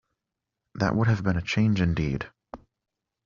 That would have been a change indeed.